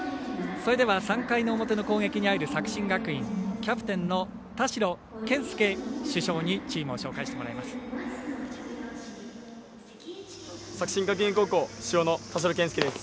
それでは３回の表の攻撃に入る作新学院キャプテンの田代健介主将にチームを紹介してもらいます。